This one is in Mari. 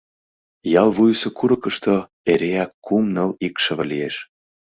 Ял вуйысо курыкышто эреак кум-ныл икшыве лиеш.